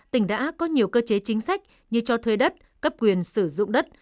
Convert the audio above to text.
tỉnh đã có nhiều cơ chế chính sách như cho thuê đất cấp quyền sử dụng đất